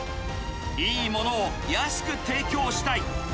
いいものを安く提供したい。